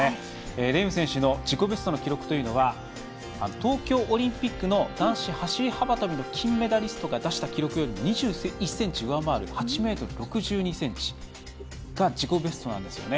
レーム選手の自己ベストの記録は東京オリンピックの男子走り幅跳びの金メダリストが出した記録より２１ｃｍ上回る８ｍ６２ｃｍが自己ベストなんですね。